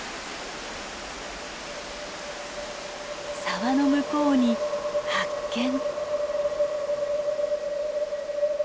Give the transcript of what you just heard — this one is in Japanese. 沢の向こうに発見！